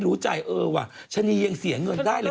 กระเทยเก่งกว่าเออแสดงความเป็นเจ้าข้าว